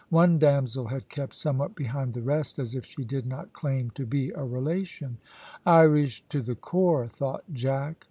One damsel had kept somewhat behind the rest as if she did not claim to be a relation. "Irish to the core," thought Jack.